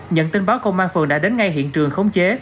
nhận tin báo công an phường đã đến ngay hiện trường khống chế